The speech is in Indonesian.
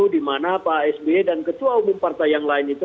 di mana pak sby dan ketua umum partai yang lain itu